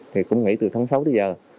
thì cũng nghĩ từ tháng sáu tới giờ